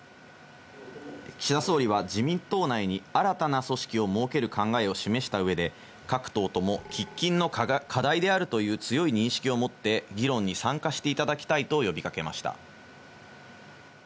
岸田総理は自民党内に新たな組織を設ける考えを示したうえで、各党とも喫緊の課題であるという強い認識をもって、議論に参加していただきたいと呼びかけました。